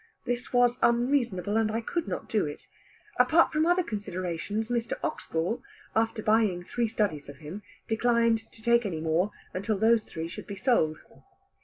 This was unreasonable, and I could not do it. Apart from other considerations, Mr. Oxgall, after buying three studies of him, declined to take any more until those three should be sold.